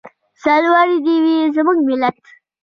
سرلوړی دې وي زموږ ملت.